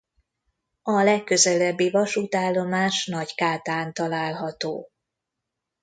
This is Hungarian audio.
A legközelebbi vasútállomás Nagykátán található.